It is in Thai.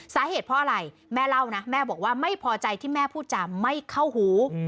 สาเหตุเพราะอะไรแม่เล่านะแม่บอกว่าไม่พอใจที่แม่พูดจาไม่เข้าหู